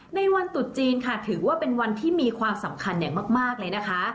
ในวันตุดจีนค่ะถือว่าเป็นวันที่มีความสำคัญอย่างมากเลยนะคะ